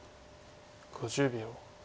５０秒。